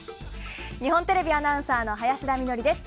日本テレビアナウンサーの林田美学です。